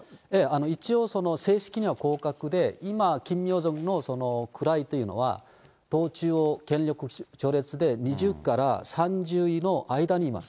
一応、正式には降格で、今、キム・ヨジョンの位というのは、党中央権力序列で２０から３０位の間にいます。